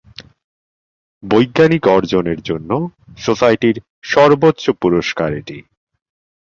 বৈজ্ঞানিক অর্জনের জন্য সোসাইটির সর্বোচ্চ পুরস্কার এটি।